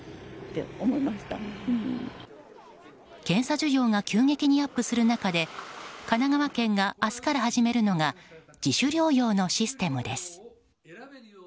検査需要が急激にアップする中で神奈川県が明日から始めるのが自主療養のシステムです。